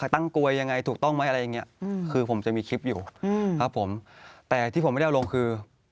ตั้งกลวยยังไงถูกต้องไหมอะไรอย่างเงี้ยคือผมจะมีคลิปอยู่ครับผมแต่ที่ผมไม่ได้เอาลงคือ